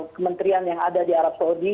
kementerian yang ada di arab saudi